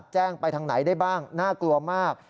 แจ้งไปทางไหนได้บ้างน่ากลัวมาก